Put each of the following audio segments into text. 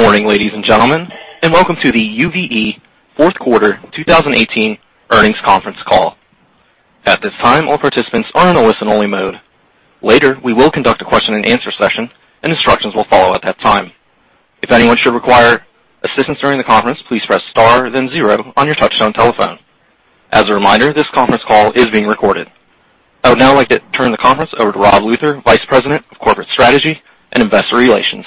Good morning, ladies and gentlemen, welcome to the UVE fourth quarter 2018 earnings conference call. At this time, all participants are in a listen-only mode. Later, we will conduct a question-and-answer session, instructions will follow at that time. If anyone should require assistance during the conference, please press star then zero on your touch-tone telephone. As a reminder, this conference call is being recorded. I would now like to turn the conference over to Rob Luther, Vice President of Corporate Strategy and Investor Relations.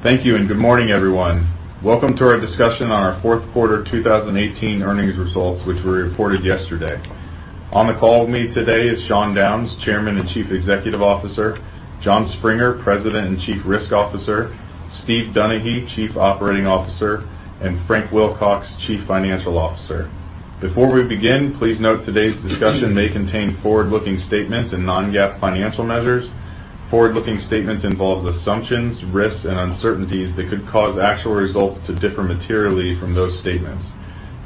Thank you, good morning, everyone. Welcome to our discussion on our fourth quarter 2018 earnings results, which were reported yesterday. On the call with me today is Sean Downes, Chairman and Chief Executive Officer, Jon Springer, President and Chief Risk Officer, Steve Donaghy, Chief Operating Officer, Frank Wilcox, Chief Financial Officer. Before we begin, please note today's discussion may contain forward-looking statements, non-GAAP financial measures. Forward-looking statements involve assumptions, risks, and uncertainties that could cause actual results to differ materially from those statements.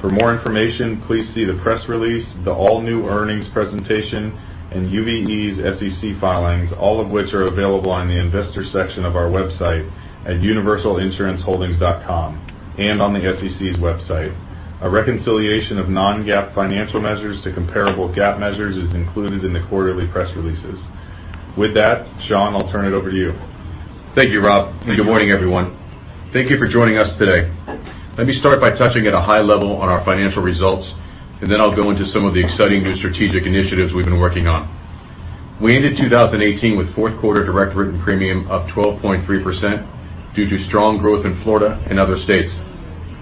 For more information, please see the press release, the all-new earnings presentation, UVE's SEC filings, all of which are available on the investor section of our website at universalinsuranceholdings.com on the SEC's website. A reconciliation of non-GAAP financial measures to comparable GAAP measures is included in the quarterly press releases. With that, Sean, I'll turn it over to you. Thank you, Rob, good morning, everyone. Thank you for joining us today. Let me start by touching at a high level on our financial results, then I'll go into some of the exciting new strategic initiatives we've been working on. We ended 2018 with fourth quarter direct written premium up 12.3% due to strong growth in Florida and other states.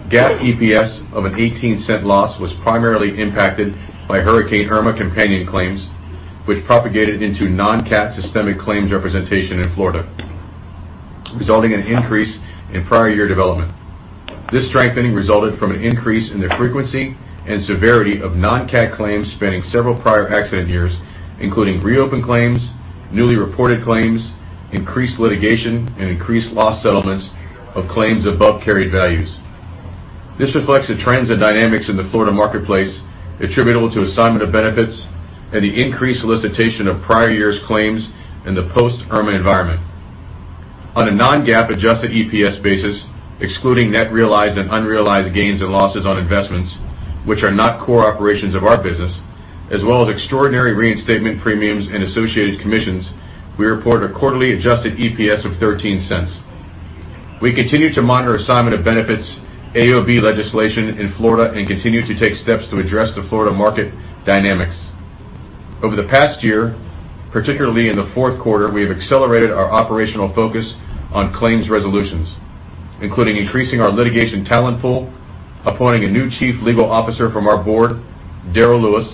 GAAP EPS of a $0.18 loss was primarily impacted by Hurricane Irma companion claims, which propagated into non-CAT systemic claims representation in Florida, resulting in an increase in prior year development. This strengthening resulted from an increase in the frequency and severity of non-CAT claims spanning several prior accident years, including reopened claims, newly reported claims, increased litigation, increased law settlements of claims above carried values. This reflects the trends and dynamics in the Florida marketplace attributable to assignment of benefits, the increased solicitation of prior years' claims in the post-Irma environment. On a non-GAAP adjusted EPS basis, excluding net realized and unrealized gains and losses on investments, which are not core operations of our business, extraordinary reinstatement premiums and associated commissions, we report a quarterly adjusted EPS of $0.13. We continue to monitor assignment of benefits AOB legislation in Florida, continue to take steps to address the Florida market dynamics. Over the past year, particularly in the fourth quarter, we have accelerated our operational focus on claims resolutions, including increasing our litigation talent pool, appointing a new Chief Legal Officer from our board, Darryl Lewis,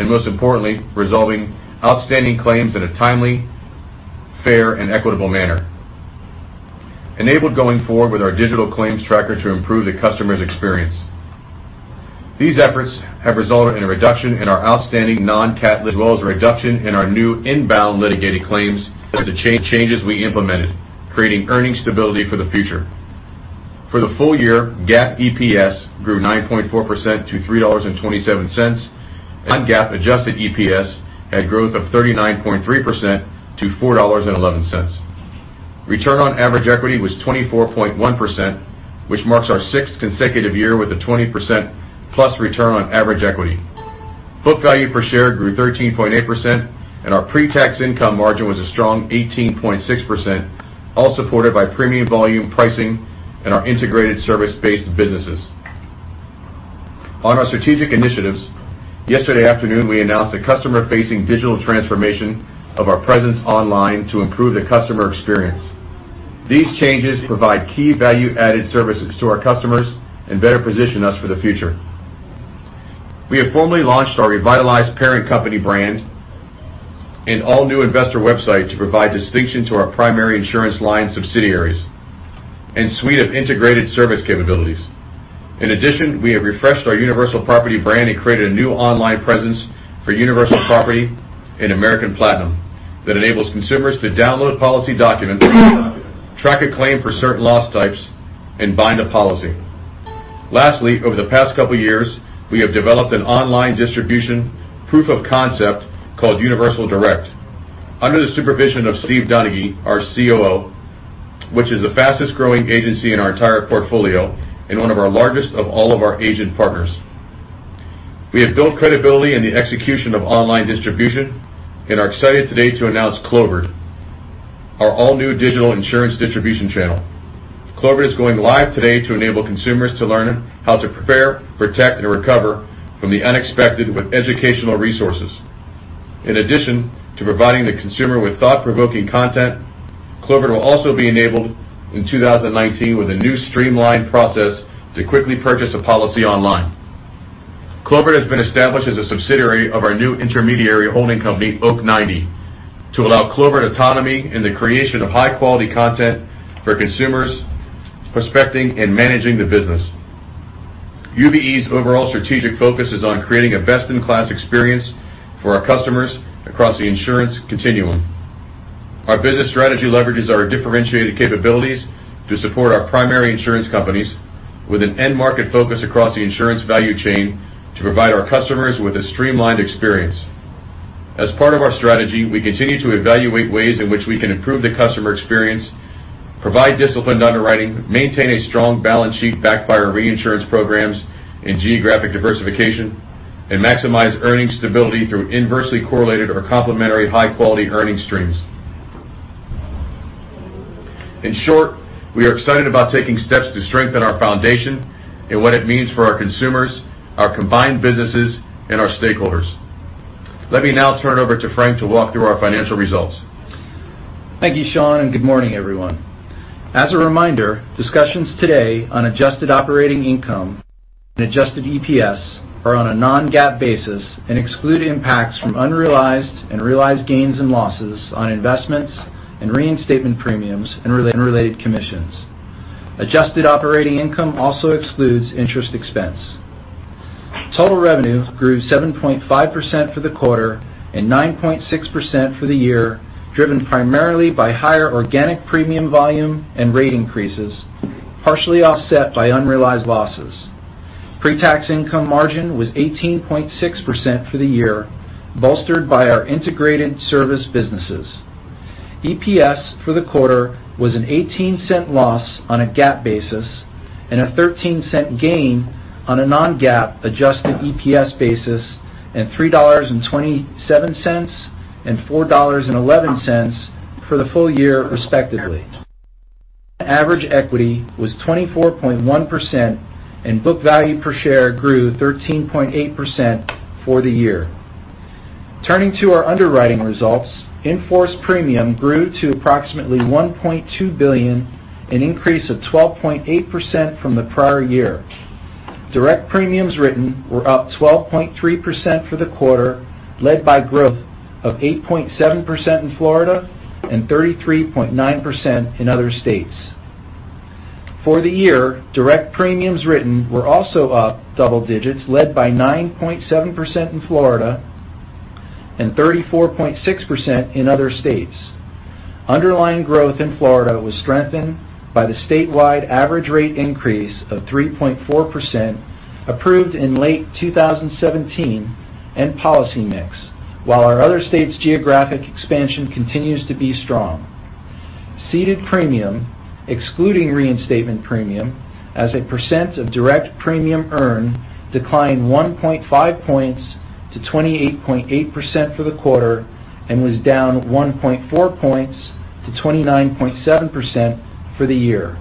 and most importantly, resolving outstanding claims in a timely, fair and equitable manner, enabled going forward with our digital claims tracker to improve the customer's experience. These efforts have resulted in a reduction in our outstanding non-CAT as well as a reduction in our new inbound litigated claims changes we implemented, creating earning stability for the future. For the full year, GAAP EPS grew 9.4% to $3.27, and non-GAAP adjusted EPS had growth of 39.3% to $4.11. Return on average equity was 24.1%, which marks our 6th consecutive year with a 20%+ return on average equity. Book value per share grew 13.8%, our pre-tax income margin was a strong 18.6%, all supported by premium volume pricing and our integrated service-based businesses. On our strategic initiatives, yesterday afternoon, we announced a customer-facing digital transformation of our presence online to improve the customer experience. These changes provide key value-added services to our customers and better position us for the future. We have formally launched our revitalized parent company brand, an all-new investor website to provide distinction to our primary insurance line subsidiaries, and suite of integrated service capabilities. In addition, we have refreshed our Universal Property brand and created a new online presence for Universal Property and American Platinum that enables consumers to download policy documents, track a claim for certain loss types, and bind a policy. Lastly, over the past couple of years, we have developed an online distribution proof of concept called Universal Direct. Under the supervision of Steve Donaghy, our COO, which is the fastest-growing agency in our entire portfolio and one of our largest of all of our agent partners. We have built credibility in the execution of online distribution and are excited today to announce Clovered, our all-new digital insurance distribution channel. Clovered is going live today to enable consumers to learn how to prepare, protect, and recover from the unexpected with educational resources. In addition to providing the consumer with thought-provoking content, Clovered will also be enabled in 2019 with a new streamlined process to quickly purchase a policy online. Clovered has been established as a subsidiary of our new intermediary holding company, Oak Ninety, to allow Clovered autonomy in the creation of high-quality content for consumers prospecting and managing the business. UVE's overall strategic focus is on creating a best-in-class experience for our customers across the insurance continuum. Our business strategy leverages our differentiated capabilities to support our primary insurance companies with an end market focus across the insurance value chain to provide our customers with a streamlined experience. As part of our strategy, we continue to evaluate ways in which we can improve the customer experience, provide disciplined underwriting, maintain a strong balance sheet backed by our reinsurance programs and geographic diversification, and maximize earning stability through inversely correlated or complementary high-quality earning streams. In short, we are excited about taking steps to strengthen our foundation and what it means for our consumers, our combined businesses, and our stakeholders. Let me now turn over to Frank to walk through our financial results. Thank you, Sean, good morning, everyone. As a reminder, discussions today on adjusted operating income and adjusted EPS are on a non-GAAP basis and exclude impacts from unrealized and realized gains and losses on investments and reinstatement premiums and related commissions. Adjusted operating income also excludes interest expense. Total revenue grew 7.5% for the quarter and 9.6% for the year, driven primarily by higher organic premium volume and rate increases, partially offset by unrealized losses. Pre-tax income margin was 18.6% for the year, bolstered by our integrated service businesses. EPS for the quarter was an $0.18 loss on a GAAP basis and a $0.13 gain on a non-GAAP adjusted EPS basis, $3.27 and $4.11 for the full year respectively. Average equity was 24.1%, and book value per share grew 13.8% for the year. Turning to our underwriting results, in-force premium grew to approximately $1.2 billion, an increase of 12.8% from the prior year. Direct premiums written were up 12.3% for the quarter, led by growth of 8.7% in Florida and 33.9% in other states. For the year, direct premiums written were also up double digits, led by 9.7% in Florida and 34.6% in other states. Underlying growth in Florida was strengthened by the statewide average rate increase of 3.4% approved in late 2017 and policy mix. While our other states' geographic expansion continues to be strong. Ceded premium, excluding reinstatement premium, as a percent of direct premium earned, declined 1.5 points to 28.8% for the quarter and was down 1.4 points to 29.7% for the year.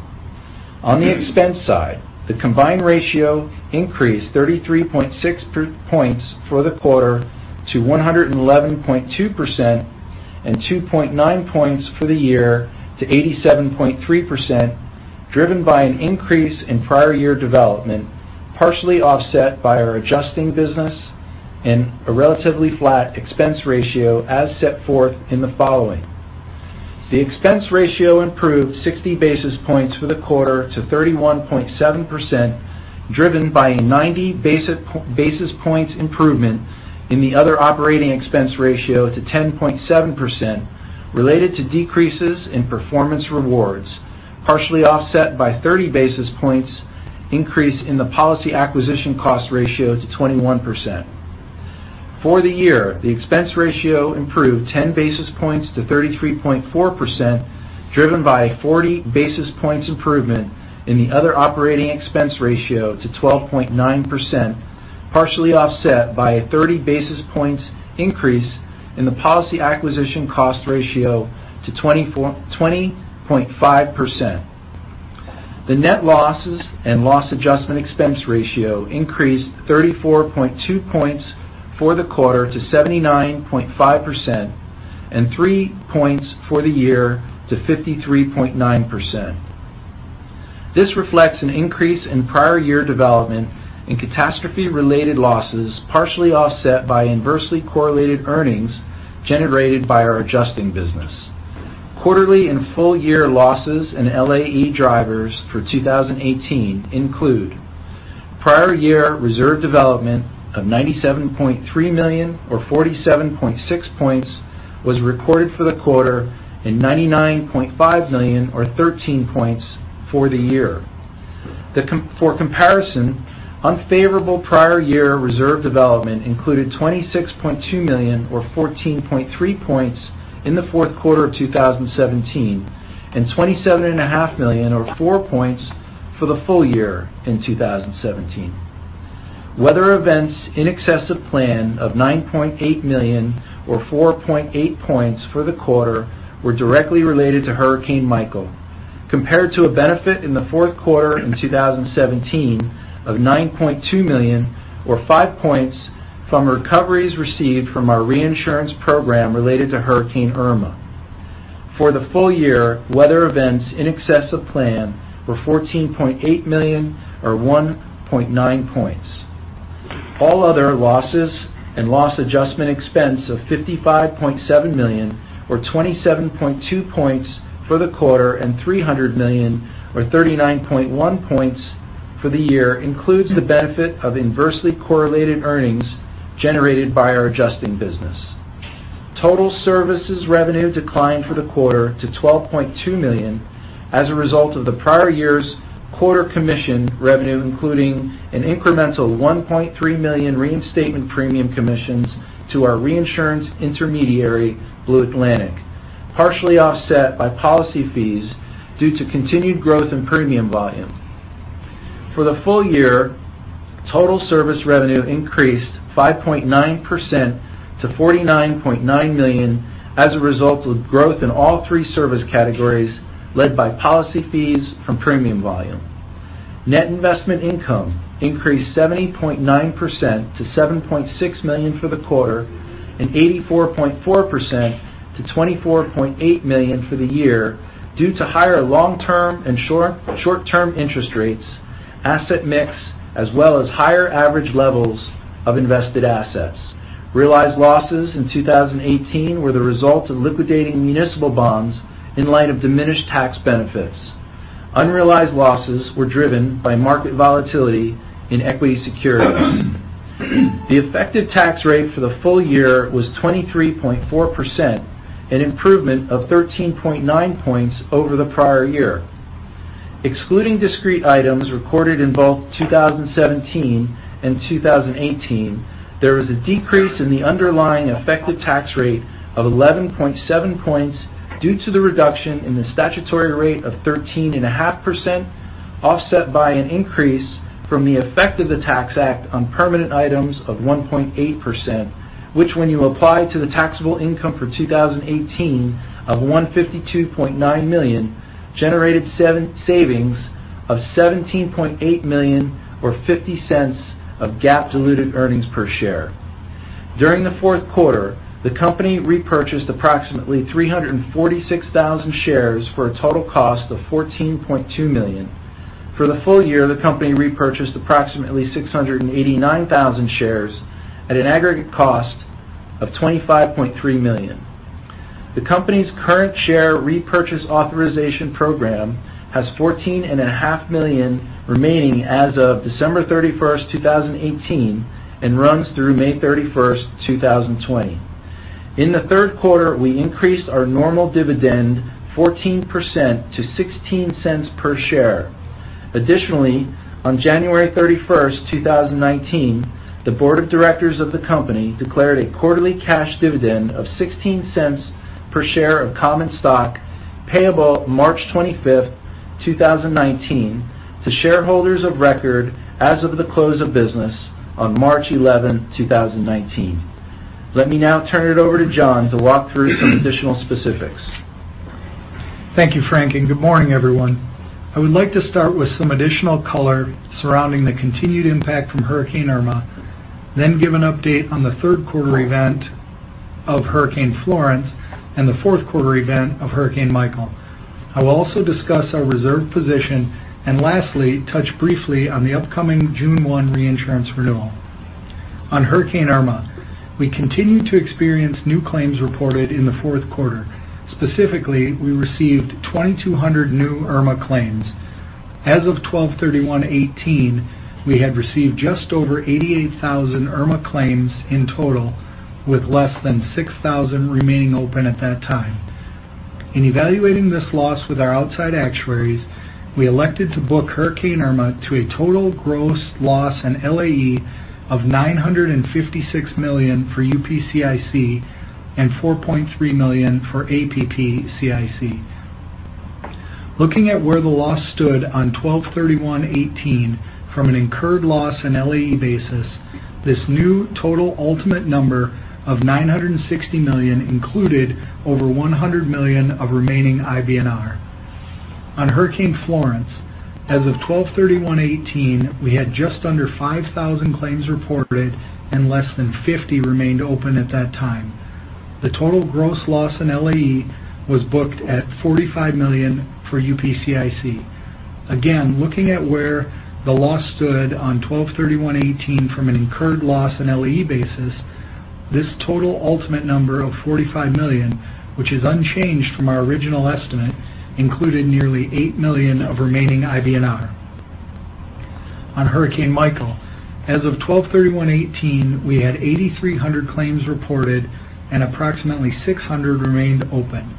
On the expense side, the combined ratio increased 33.6 points for the quarter to 111.2% and 2.9 points for the year to 87.3%, driven by an increase in prior year development, partially offset by our adjusting business and a relatively flat expense ratio as set forth in the following. The expense ratio improved 60 basis points for the quarter to 31.7%, driven by a 90 basis points improvement in the other operating expense ratio to 10.7%, related to decreases in performance rewards, partially offset by 30 basis points increase in the policy acquisition cost ratio to 21%. For the year, the expense ratio improved 10 basis points to 33.4%, driven by a 40 basis points improvement in the other operating expense ratio to 12.9%, partially offset by a 30 basis points increase in the policy acquisition cost ratio to 20.5%. The net losses and loss adjustment expense ratio increased 34.2 points for the quarter to 79.5% and three points for the year to 53.9%. This reflects an increase in prior year development in catastrophe-related losses, partially offset by inversely correlated earnings generated by our adjusting business. Quarterly and full-year losses in LAE drivers for 2018 include prior year reserve development of $97.3 million or 47.6 points was recorded for the quarter and $99.5 million or 13 points for the year. For comparison, unfavorable prior year reserve development included $26.2 million or 14.3 points in the fourth quarter of 2017 and $27.5 million or four points for the full year in 2017. Weather events in excess of plan of $9.8 million or 4.8 points for the quarter were directly related to Hurricane Michael, compared to a benefit in the fourth quarter in 2017 of $9.2 million or 5 points from recoveries received from our reinsurance program related to Hurricane Irma. For the full year, weather events in excess of plan were $14.8 million or 1.9 points. All other losses and loss adjustment expense of $55.7 million or 27.2 points for the quarter and $300 million or 39.1 points for the year includes the benefit of inversely correlated earnings generated by our adjusting business. Total services revenue declined for the quarter to $12.2 million as a result of the prior year's quarter commission revenue, including an incremental $1.3 million reinstatement premium commissions to our reinsurance intermediary, Blue Atlantic, partially offset by policy fees due to continued growth in premium volume. For the full year, total service revenue increased 5.9% to $49.9 million as a result of growth in all 3 service categories, led by policy fees from premium volume. Net investment income increased 70.9% to $7.6 million for the quarter and 84.4% to $24.8 million for the year, due to higher long-term and short-term interest rates, asset mix, as well as higher average levels of invested assets. Realized losses in 2018 were the result of liquidating municipal bonds in light of diminished tax benefits. Unrealized losses were driven by market volatility in equity securities. The effective tax rate for the full year was 23.4%, an improvement of 13.9 points over the prior year. Excluding discrete items recorded in both 2017 and 2018, there was a decrease in the underlying effective tax rate of 11.7 points due to the reduction in the statutory rate of 13.5%, offset by an increase from the effect of the Tax Act on permanent items of 1.8%, which when you apply to the taxable income for 2018 of $152.9 million, generated savings of $17.8 million or $0.50 of GAAP diluted earnings per share. During the fourth quarter, the company repurchased approximately 346,000 shares for a total cost of $14.2 million. For the full year, the company repurchased approximately 689,000 shares at an aggregate cost of $25.3 million. The company's current share repurchase authorization program has $14.5 million remaining as of December 31st, 2018, and runs through May 31st, 2020. In the third quarter, we increased our normal dividend 14% to $0.16 per share. On January 31st, 2019, the Board of Directors of the company declared a quarterly cash dividend of $0.16 per share of common stock payable March 25th, 2019, to shareholders of record as of the close of business on March 11, 2019. Let me now turn it over to Jon to walk through some additional specifics. Thank you, Frank, and good morning, everyone. I would like to start with some additional color surrounding the continued impact from Hurricane Irma, then give an update on the third quarter event of Hurricane Florence and the fourth quarter event of Hurricane Michael. I will also discuss our reserve position, and lastly, touch briefly on the upcoming June 1 reinsurance renewal. On Hurricane Irma, we continued to experience new claims reported in the fourth quarter. Specifically, we received 2,200 new Irma claims. As of 12/31/2018, we had received just over 88,000 Irma claims in total, with less than 6,000 remaining open at that time. In evaluating this loss with our outside actuaries, we elected to book Hurricane Irma to a total gross loss in LAE of $956 million for UPCIC and $4.3 million for APPCIC. Looking at where the loss stood on 12/31/2018 from an incurred loss and LAE basis, this new total ultimate number of $960 million included over $100 million of remaining IBNR. On Hurricane Florence, as of 12/31/2018, we had just under 5,000 claims reported and less than 50 remained open at that time. The total gross loss in LAE was booked at $45 million for UPCIC. Again, looking at where the loss stood on 12/31/2018 from an incurred loss and LAE basis, this total ultimate number of $45 million, which is unchanged from our original estimate, included nearly $8 million of remaining IBNR. On Hurricane Michael, as of 12/31/2018, we had 8,300 claims reported and approximately 600 remained open.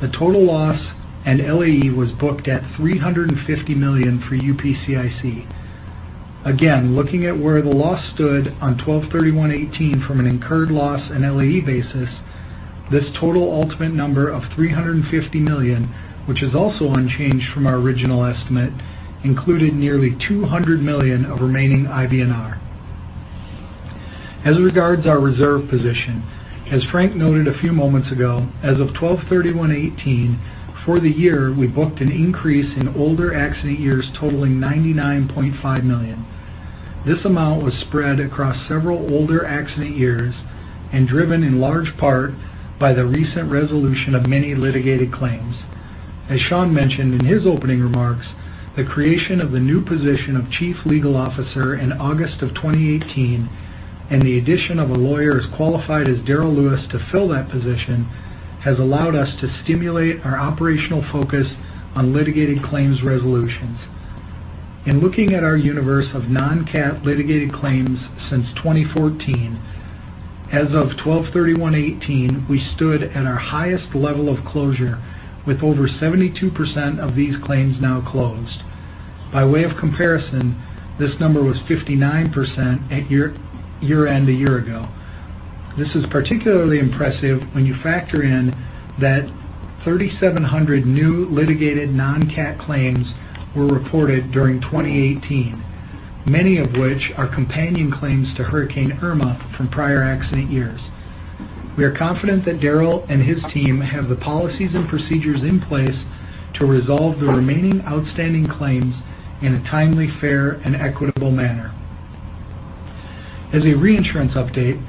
The total loss and LAE was booked at $350 million for UPCIC. Again, looking at where the loss stood on 12/31/2018 from an incurred loss and LAE basis, this total ultimate number of $350 million, which is also unchanged from our original estimate, included nearly $200 million of remaining IBNR. As regards our reserve position, as Frank noted a few moments ago, as of 12/31/2018, for the year, we booked an increase in older accident years totaling $99.5 million. This amount was spread across several older accident years and driven in large part by the recent resolution of many litigated claims. As Sean mentioned in his opening remarks, the creation of the new position of Chief Legal Officer in August of 2018 and the addition of a lawyer as qualified as Darryl Lewis to fill that position has allowed us to stimulate our operational focus on litigated claims resolutions. In looking at our universe of non-CAT litigated claims since 2014, as of 12/31/2018, we stood at our highest level of closure with over 72% of these claims now closed. By way of comparison, this number was 59% at year-end a year ago. This is particularly impressive when you factor in that 3,700 new litigated non-CAT claims were reported during 2018, many of which are companion claims to Hurricane Irma from prior accident years. We are confident that Darryl and his team have the policies and procedures in place to resolve the remaining outstanding claims in a timely, fair, and equitable manner. As a reinsurance update,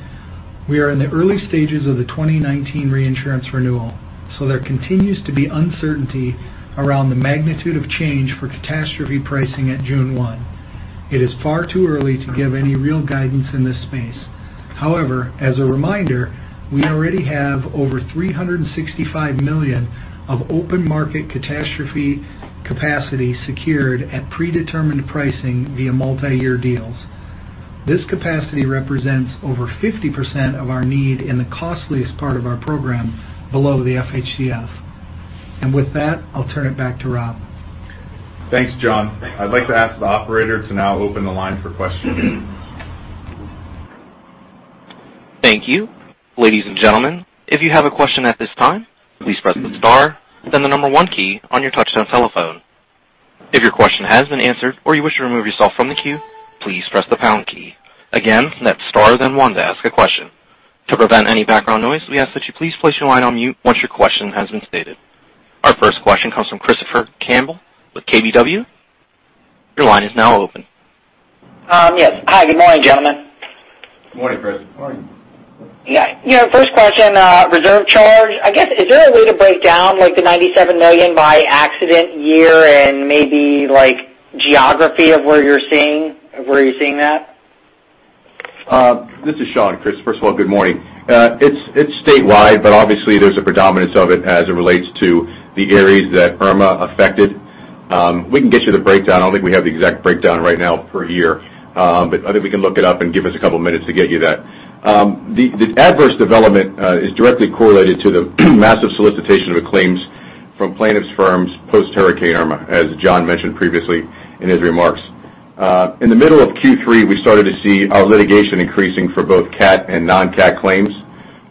we are in the early stages of the 2019 reinsurance renewal, there continues to be uncertainty around the magnitude of change for catastrophe pricing at June 1. It is far too early to give any real guidance in this space. However, as a reminder, we already have over $365 million of open market catastrophe capacity secured at predetermined pricing via multi-year deals. This capacity represents over 50% of our need in the costliest part of our program below the FHCF. With that, I'll turn it back to Rob. Thanks, Jon. I'd like to ask the operator to now open the line for questions. Thank you. Ladies and gentlemen, if you have a question at this time, please press the star, then the number 1 key on your touch-tone telephone. If your question has been answered or you wish to remove yourself from the queue, please press the pound key. Again, that's star then 1 to ask a question. To prevent any background noise, we ask that you please place your line on mute once your question has been stated. Our first question comes from Christopher Campbell with KBW. Your line is now open. Yes. Hi, good morning, gentlemen. Good morning, Chris. Morning. Yeah. First question, reserve charge. I guess, is there a way to break down the $97 million by accident, year, and maybe geography of where you're seeing that? This is Sean. Chris, first of all, good morning. It's statewide, obviously, there's a predominance of it as it relates to the areas that Hurricane Irma affected. We can get you the breakdown. I don't think we have the exact breakdown right now per year, I think we can look it up and give us a couple of minutes to get you that. The adverse development is directly correlated to the massive solicitation of claims from plaintiffs' firms post-Hurricane Irma, as Jon mentioned previously in his remarks. In the middle of Q3, we started to see our litigation increasing for both CAT and non-CAT claims.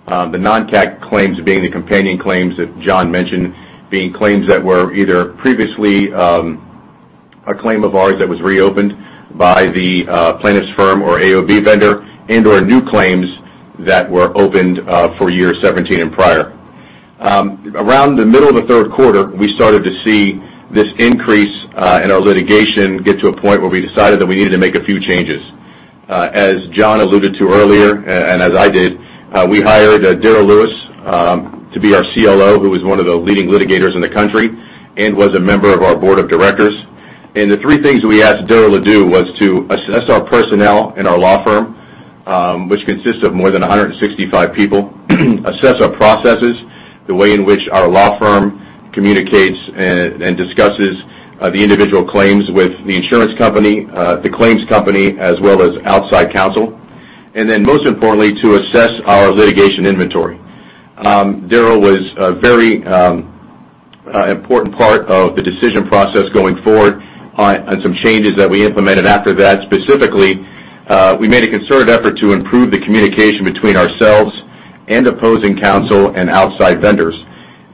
The non-CAT claims being the companion claims that Jon mentioned, being claims that were either previously a claim of ours that was reopened by the plaintiff's firm or AOB vendor, and/or new claims that were opened for year 2017 and prior. Around the middle of the third quarter, we started to see this increase in our litigation get to a point where we decided that we needed to make a few changes. As Jon alluded to earlier, and as I did, we hired Darryl Lewis to be our CLO, who was one of the leading litigators in the country and was a member of our board of directors. The three things we asked Darryl to do was to assess our personnel and our law firm, which consists of more than 165 people, assess our processes, the way in which our law firm communicates and discusses the individual claims with the insurance company, the claims company, as well as outside counsel. Most importantly, to assess our litigation inventory. Darryl was a very important part of the decision process going forward on some changes that we implemented after that. Specifically, we made a concerted effort to improve the communication between ourselves and opposing counsel and outside vendors.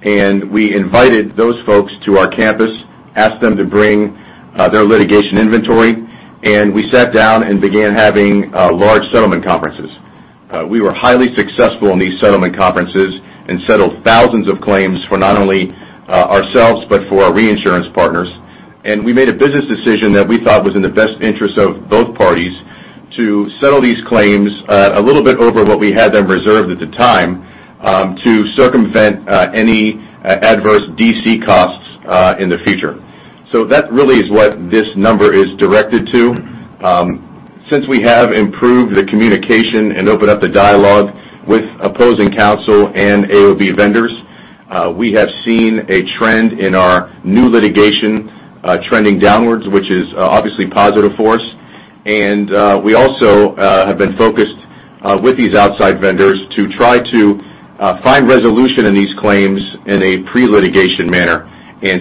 We invited those folks to our campus, asked them to bring their litigation inventory, and we sat down and began having large settlement conferences. We were highly successful in these settlement conferences and settled thousands of claims for not only ourselves but for our reinsurance partners. We made a business decision that we thought was in the best interest of both parties to settle these claims a little bit over what we had them reserved at the time to circumvent any adverse DCC costs in the future. That really is what this number is directed to. Since we have improved the communication and opened up the dialogue with opposing counsel and AOB vendors, we have seen a trend in our new litigation trending downwards, which is obviously positive for us. We also have been focused with these outside vendors to try to find resolution in these claims in a pre-litigation manner.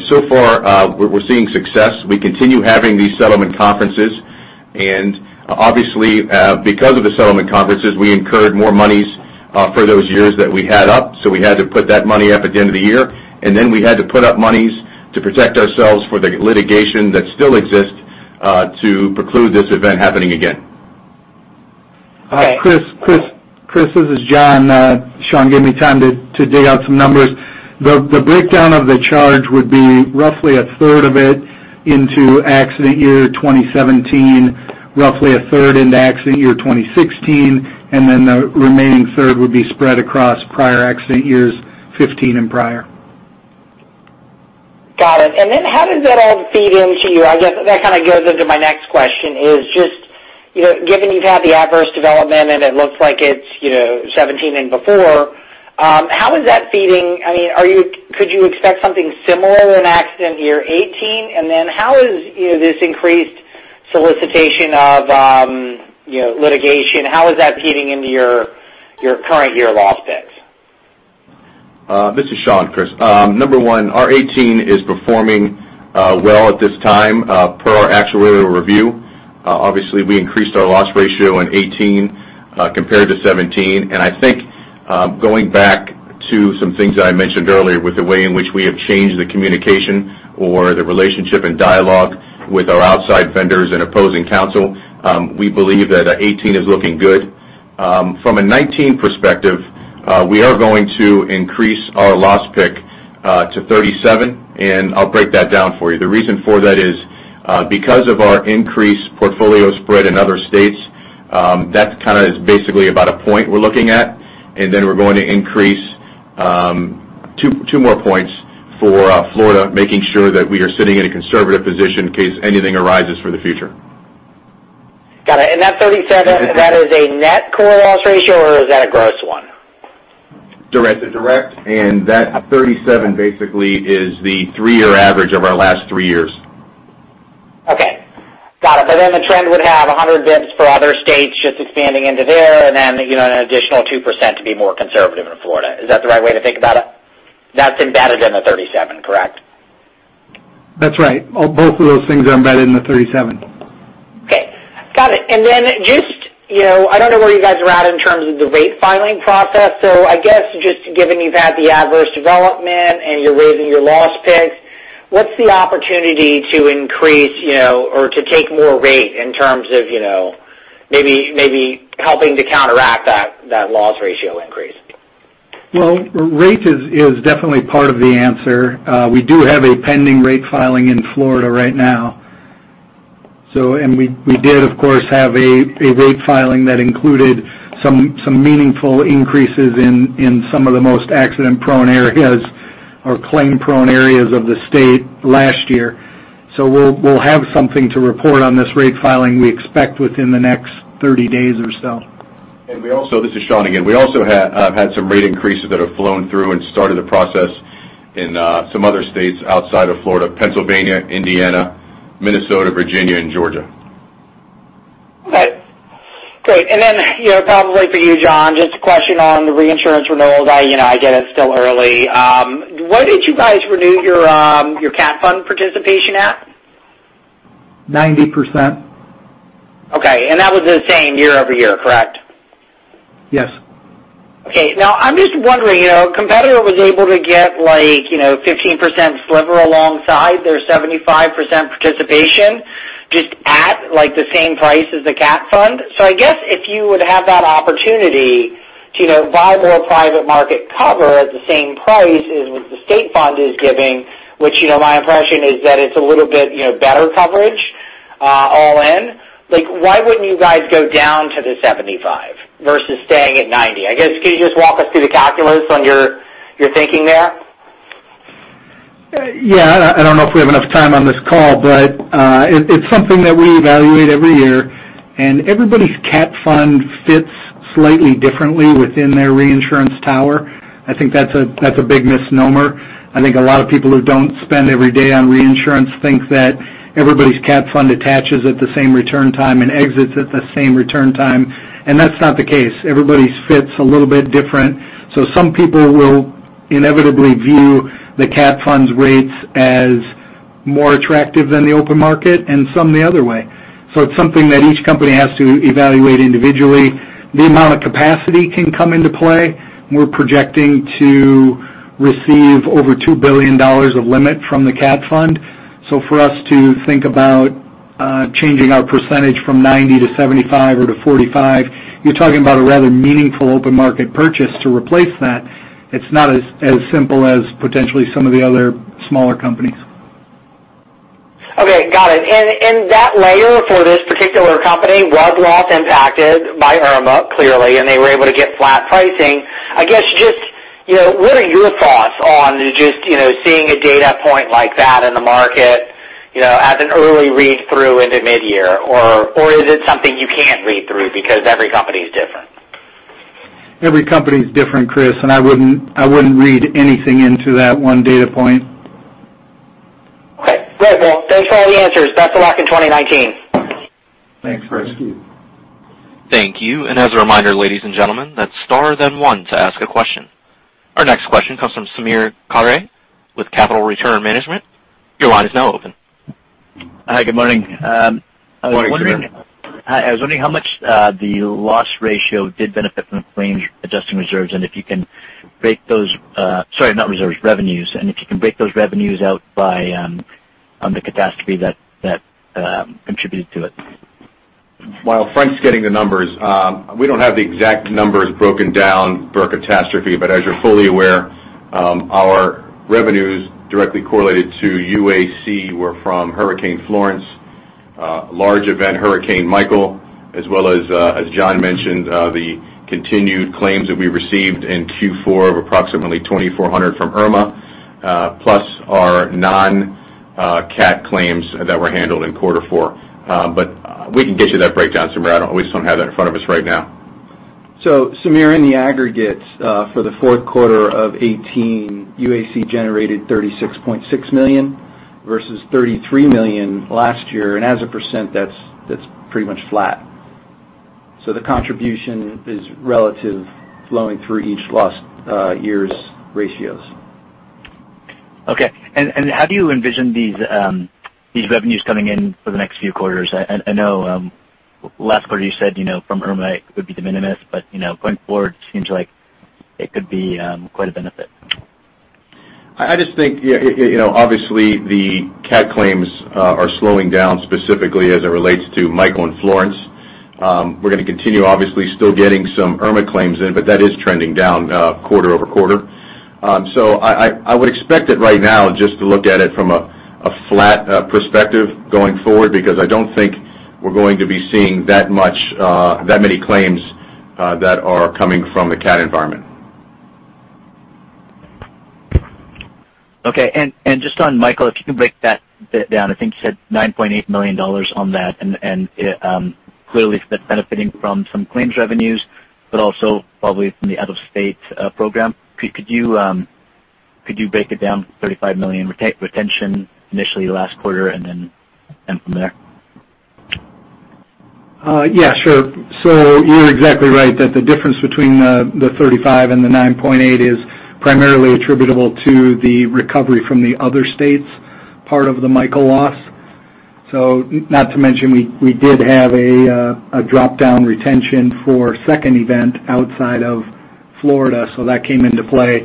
So far, we're seeing success. We continue having these settlement conferences, obviously because of the settlement conferences, we incurred more monies for those years that we had up. We had to put that money up at the end of the year, then we had to put up monies to protect ourselves for the litigation that still exists to preclude this event happening again. Chris, this is Jon. Sean gave me time to dig out some numbers. The breakdown of the charge would be roughly a third of it into accident year 2017, roughly a third into accident year 2016, the remaining third would be spread across prior accident years 2015 and prior. Got it. Then how does that all feed into? I guess that kind of goes into my next question is just, given you've had the adverse development and it looks like it's 2017 and before, could you expect something similar in accident year 2018? Then how is this increased solicitation of litigation, how is that feeding into your current year loss picks? This is Sean, Chris. Number one, our 2018 is performing well at this time per our actuarial review. Obviously, we increased our loss ratio in 2018 compared to 2017. I think going back to some things that I mentioned earlier, with the way in which we have changed the communication or the relationship and dialogue with our outside vendors and opposing counsel, we believe that 2018 is looking good. From a 2019 perspective, we are going to increase our loss pick to 37, and I'll break that down for you. The reason for that is because of our increased portfolio spread in other states, that kind of is basically about a point we're looking at, we're going to increase two more points for Florida, making sure that we are sitting in a conservative position in case anything arises for the future. Got it. That 37, that is a net core loss ratio, or is that a gross one? Direct. That 37 basically is the three-year average of our last three years. Okay. Got it. The trend would have 100 basis points for other states just expanding into there an additional 2% to be more conservative in Florida. Is that the right way to think about it? That's embedded in the 37, correct? That's right. Both of those things are embedded in the 37. Got it. I don't know where you guys are at in terms of the rate filing process. I guess just given you've had the adverse development and you're raising your loss picks, what's the opportunity to increase or to take more rate in terms of maybe helping to counteract that loss ratio increase? Well, rate is definitely part of the answer. We do have a pending rate filing in Florida right now. We did, of course, have a rate filing that included some meaningful increases in some of the most accident-prone areas or claim-prone areas of the state last year. We'll have something to report on this rate filing, we expect within the next 30 days or so. This is Sean again. We also have had some rate increases that have flown through and started the process in some other states outside of Florida, Pennsylvania, Indiana, Minnesota, Virginia, and Georgia. Okay. Great. Then, probably for you, Jon, just a question on the reinsurance renewals. I get it's still early. Where did you guys renew your CAT Fund participation at? 90%. Okay. That was the same year-over-year, correct? Yes. Okay. I'm just wondering, a competitor was able to get 15% sliver alongside their 75% participation just at the same price as the CAT Fund. I guess if you would have that opportunity to buy more private market cover at the same price as what the state fund is giving, which my impression is that it's a little bit better coverage all in, why wouldn't you guys go down to the 75% versus staying at 90%? I guess, can you just walk us through the calculus on your thinking there? I don't know if we have enough time on this call, it's something that we evaluate every year, everybody's CAT Fund fits slightly differently within their reinsurance tower. I think that's a big misnomer. I think a lot of people who don't spend every day on reinsurance think that everybody's CAT Fund attaches at the same return time and exits at the same return time, and that's not the case. Everybody's fits a little bit different. Some people will inevitably view the CAT Fund's rates as more attractive than the open market and some the other way. It's something that each company has to evaluate individually. The amount of capacity can come into play. We're projecting to receive over $2 billion of limit from the CAT Fund. For us to think about changing our % from 90 to 75 or to 45, you're talking about a rather meaningful open market purchase to replace that. It's not as simple as potentially some of the other smaller companies. Okay. Got it. That layer for this particular company was loss impacted by Irma, clearly, and they were able to get flat pricing. I guess just what are your thoughts on just seeing a data point like that in the market as an early read through into mid-year? Or is it something you can't read through because every company is different? Every company is different, Chris, and I wouldn't read anything into that one data point. Okay. Right. Thanks for all the answers. Best of luck in 2019. Thanks, Chris. Thank you. Thank you. As a reminder, ladies and gentlemen, that's star then one to ask a question. Our next question comes from Samir Khare with Capital Returns Management. Your line is now open. Hi, good morning. Good morning, Samir. I was wondering how much the loss ratio did benefit from claims adjusting revenues, and if you can break those revenues out by the catastrophe that contributed to it. While Frank's getting the numbers, we don't have the exact numbers broken down per catastrophe, but as you're fully aware, our revenues directly correlated to UAC were from Hurricane Florence, a large event, Hurricane Michael, as well as Jon mentioned, the continued claims that we received in Q4 of approximately 2,400 from Irma, plus our non-CAT claims that were handled in quarter four. We can get you that breakdown, Samir. We just don't have that in front of us right now. Samir, in the aggregate, for the fourth quarter of 2018, UAC generated $36.6 million versus $33 million last year. As a %, that's pretty much flat. The contribution is relative, flowing through each last year's ratios. Okay. How do you envision these revenues coming in for the next few quarters? I know last quarter you said from Hurricane Irma, it would be de minimis, going forward it seems like it could be quite a benefit. I just think, obviously, the CAT claims are slowing down, specifically as it relates to Hurricane Michael and Hurricane Florence. We're going to continue, obviously, still getting some Hurricane Irma claims in, that is trending down quarter-over-quarter. I would expect it right now just to look at it from a flat perspective going forward, because I don't think we're going to be seeing that many claims that are coming from the CAT environment. Okay. Just on Hurricane Michael, if you can break that bit down. I think you said $9.8 million on that, clearly that's benefiting from some claims revenues, probably from the out-of-state program. Could you break it down from $35 million retention initially last quarter and then from there? Yeah, sure. You're exactly right that the difference between the 35 and the 9.8 is primarily attributable to the recovery from the other states' part of the Hurricane Michael loss. Not to mention, we did have a drop-down retention for a second event outside of Florida, that came into play.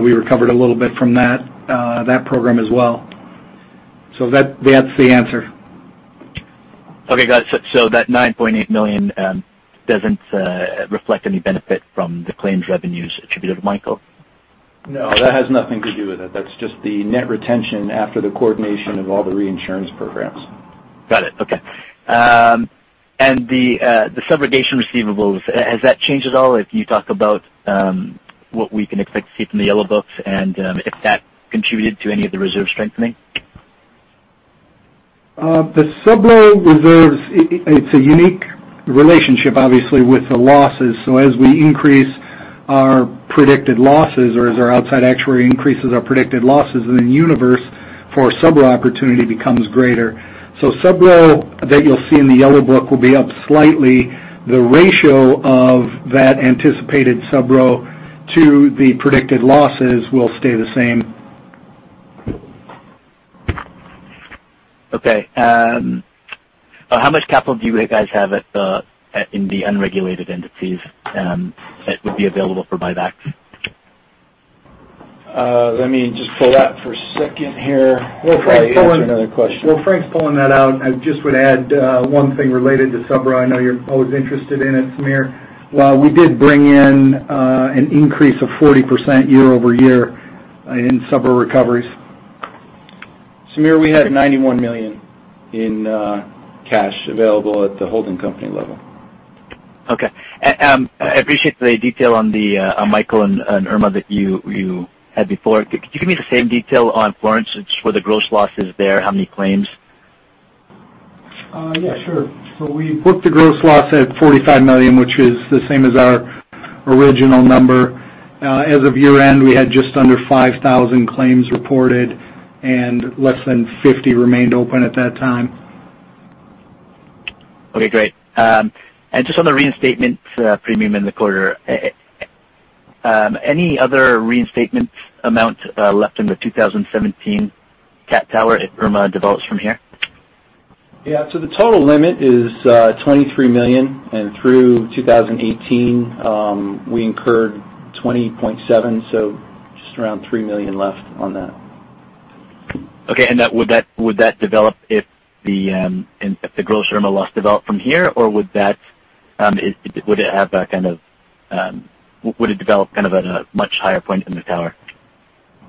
We recovered a little bit from that program as well. That's the answer. Okay, got it. That $9.8 million doesn't reflect any benefit from the claims revenues attributed to Michael? No, that has nothing to do with it. That's just the net retention after the coordination of all the reinsurance programs. Got it. Okay. The subrogation receivables, has that changed at all? If you talk about what we can expect to see from the Yellow Books and if that contributed to any of the reserve strengthening. The subro reserves, it's a unique relationship, obviously, with the losses. As we increase our predicted losses or as our outside actuary increases our predicted losses in the universe for subro opportunity becomes greater. Subro that you'll see in the Yellow Book will be up slightly. The ratio of that anticipated subro to the predicted losses will stay the same. Okay. How much capital do you guys have in the unregulated entities that would be available for buybacks? Let me just pull that for a second here. While Frank's pulling. While I answer another question. While Frank's pulling that out, I just would add one thing related to subro. I know you're always interested in it, Samir. We did bring in an increase of 40% year-over-year in subro recoveries. Samir, we had $91 million in cash available at the holding company level. Okay. I appreciate the detail on Michael and Irma that you had before. Could you give me the same detail on Florence for the gross losses there, how many claims? Yeah, sure. We booked the gross loss at $45 million, which is the same as our original number. As of year-end, we had just under 5,000 claims reported and less than 50 remained open at that time. Okay, great. Just on the reinstatement premium in the quarter, any other reinstatement amount left in the 2017 CAT tower if Irma develops from here? Yeah. The total limit is $23 million, and through 2018, we incurred $20.7 million, so just around $3 million left on that. Okay. Would that develop if the gross Irma loss developed from here? Would it develop at a much higher point in the tower?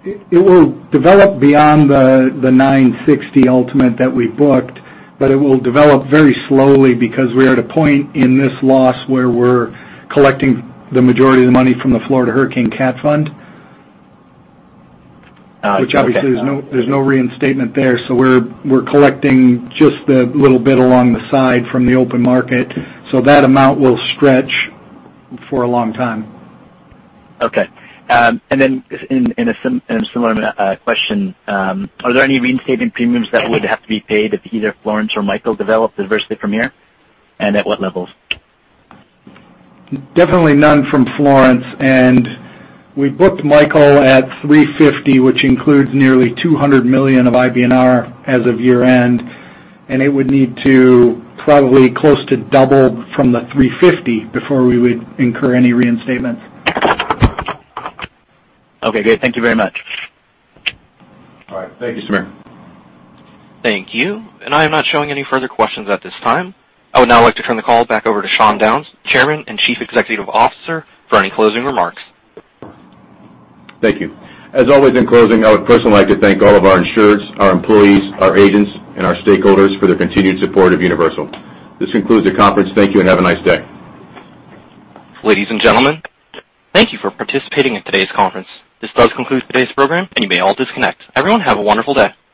It will develop beyond the $960 million ultimate that we booked, but it will develop very slowly because we are at a point in this loss where we're collecting the majority of the money from the Florida Hurricane Cat Fund. Oh, okay. Which obviously, there's no reinstatement there, so we're collecting just the little bit along the side from the open market. That amount will stretch for a long time. Okay. Then in a similar question, are there any reinstatement premiums that would have to be paid if either Florence or Michael developed adversely from here, and at what levels? Definitely none from Florence, and we booked Michael at $350, which includes nearly $200 million of IBNR as of year-end, and it would need to probably close to double from the $350 before we would incur any reinstatements. Okay, great. Thank you very much. All right. Thank you, Samir. Thank you. I am not showing any further questions at this time. I would now like to turn the call back over to Sean Downes, Chairman and Chief Executive Officer, for any closing remarks. Thank you. As always, in closing, I would personally like to thank all of our insureds, our employees, our agents, and our stakeholders for their continued support of Universal. This concludes the conference. Thank you and have a nice day. Ladies and gentlemen, thank you for participating in today's conference. This does conclude today's program, and you may all disconnect. Everyone, have a wonderful day.